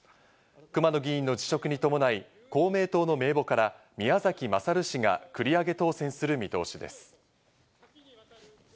熊野議員の辞職に伴い、公明党の名簿から宮崎勝氏が繰り上げ当選する見通しです。